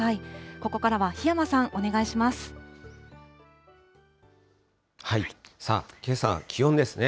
ここからは檜山さん、お願いしまけさの気温ですね。